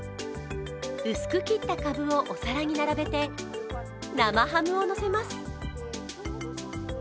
薄く切ったかぶをお皿に並べて生ハムをのせます。